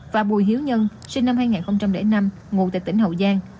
và bùi hiếu nhân sinh năm hai nghìn năm ngụ tại tỉnh hậu giang